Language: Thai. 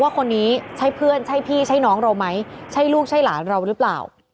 ว่าคนนี้ใช่เพื่อนใช่พี่ใช่น้องเราไหมใช่ลูกใช่หลานเราหรือเปล่า